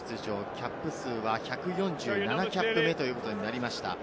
キャップ数は１４７キャップ目ということになりました。